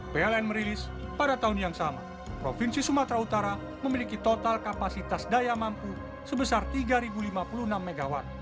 pln merilis pada tahun yang sama provinsi sumatera utara memiliki total kapasitas daya mampu sebesar tiga lima puluh enam mw